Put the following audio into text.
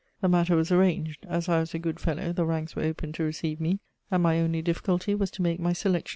The matter was arranged: as I was a good fellow, the ranks were opened to receive me, and my only difficulty was to make my selection.